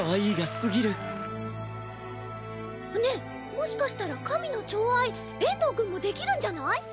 もしかしたら神の寵愛遠藤くんもできるんじゃない？